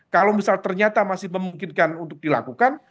kalau misal ternyata masih memungkinkan untuk dilakukan